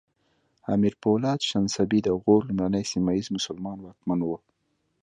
امیر پولاد شنسبی د غور لومړنی سیمه ییز مسلمان واکمن و